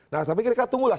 nah saya pikir kita tunggulah